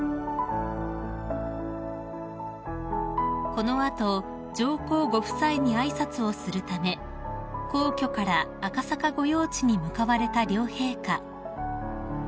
［この後上皇ご夫妻に挨拶をするため皇居から赤坂御用地に向かわれた両陛下］